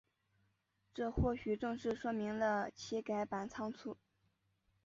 这或许正是说明了其改版仓促。